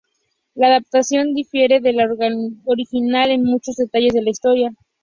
La adaptación difiere de la original en muchos detalles de la historia.